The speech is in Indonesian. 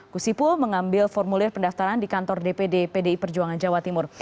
gus ipul mengambil formulir pendaftaran di kantor dpd pdi perjuangan jawa timur